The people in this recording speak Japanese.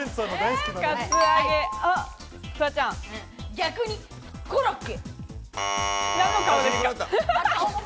逆にコロッケ。